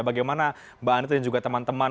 bagaimana mbak anita dan juga teman teman